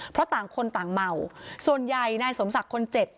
เพราะต่างคนต่างเมาส่วนใหญ่นายสมศักดิ์คนเจ็บ